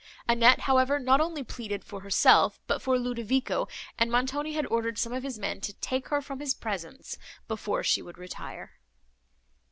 Annette, however, not only pleaded for herself, but for Ludovico; and Montoni had ordered some of his men to take her from his presence, before she would retire.